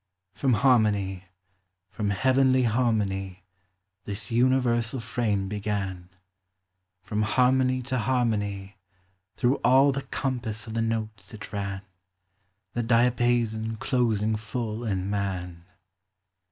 From harmony, from heavenly harmony, This universal frame began : From harmony to harmony, Through all the compass of the notes it r;m, The diapason closing full in man.